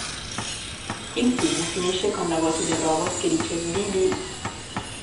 Il film finisce con la voce del robot che dice "Bee Bee".